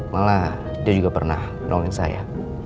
malah dia juga pernah nolin saya